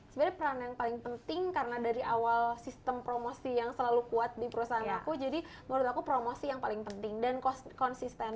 sebenarnya peran yang paling penting karena dari awal sistem promosi yang selalu kuat di perusahaan aku jadi menurut aku promosi yang paling penting dan konsisten